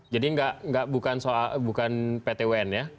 jadi bukan pt un ya